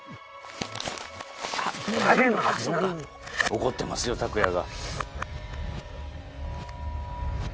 怒ってますよ拓哉が。